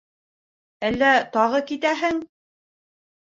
Әллә тағы китәһең?